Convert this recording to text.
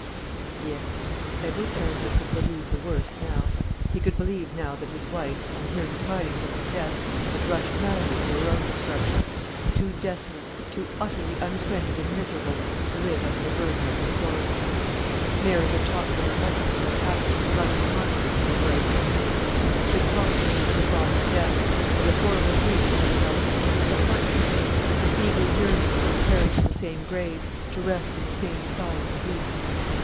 Yes; Edward Arundel could believe the worst now. He could believe now that his young wife, on hearing tidings of his death, had rushed madly to her own destruction; too desolate, too utterly unfriended and miserable, to live under the burden of her sorrows. Mary had talked to her husband in the happy, loving confidence of her bright honeymoon; she had talked to him of her father's death, and the horrible grief she had felt; the heart sickness, the eager yearning to be carried to the same grave, to rest in the same silent sleep.